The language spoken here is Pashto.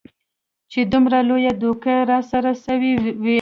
چې دومره لويه دوکه دې راسره سوې وي.